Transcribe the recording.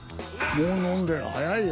もう飲んでる早いよ。